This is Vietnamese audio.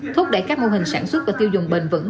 thúc đẩy các mô hình sản xuất và tiêu dùng bền vững